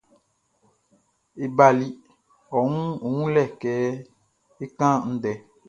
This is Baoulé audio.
E bali ɔ wun wunlɛ kɛ é kán ndɛ.